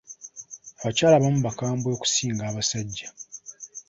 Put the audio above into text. Abakyala abamu bakambwe okusinga abasajja.